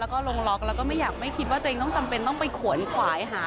แล้วก็ลงล็อกแล้วก็ไม่อยากไม่คิดว่าตัวเองต้องจำเป็นต้องไปขวนขวายหา